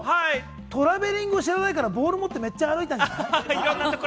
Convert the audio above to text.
トラベリングを知らないから、ボール持ってめっちゃ歩いたんじゃない？